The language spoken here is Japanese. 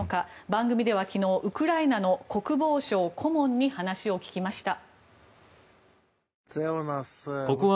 番組では昨日ウクライナの国防省顧問に話を聞きました。